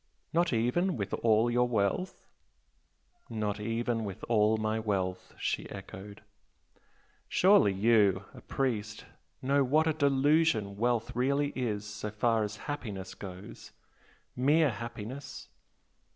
"Not even with all your wealth?" "Not even with all my wealth!" she echoed. "Surely you a priest know what a delusion wealth really is so far as happiness goes? mere happiness?